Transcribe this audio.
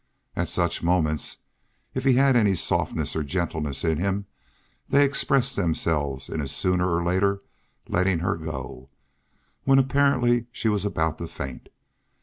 At such moments, if he had any softness or gentleness in him, they expressed themselves in his sooner or later letting her go, when apparently she was about to faint.